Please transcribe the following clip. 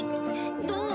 どう？